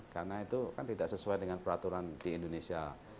karena itu kan tidak sesuai dengan peraturan di indonesia